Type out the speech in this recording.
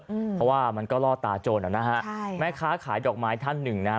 อืมเพราะว่ามันก็ล่อตาโจรอ่ะนะฮะใช่แม่ค้าขายดอกไม้ท่านหนึ่งนะฮะ